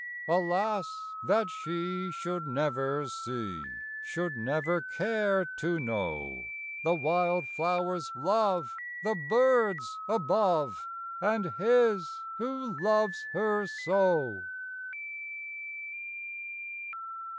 Alas! that she should never see, Should never care to know, The wildflower's love, the bird's above, And his, who loves her so!